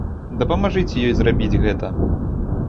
Дапамажыце ёй зрабіць гэта!